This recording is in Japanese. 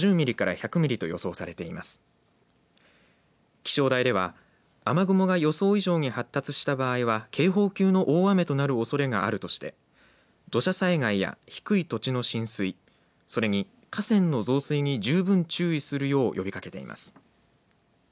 気象台では雨雲が予想以上に発達した場合は警報級の大雨となるおそれがあるとして土砂災害や低い土地の浸水それに河川の増水に十分注意するよう呼びかけています。